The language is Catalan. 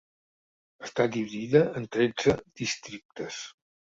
Està dividida en tretze districtes.